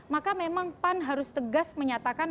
maka memang pan harus tegas menyatakan